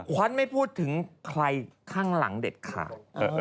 ขวัญไม่พูดถึงใครข้างหลังเด็ดขาด